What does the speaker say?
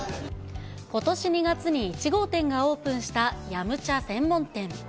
ことし２月に１号店がオープンした飲茶専門店。